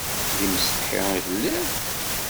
D imsetḥi i telliḍ?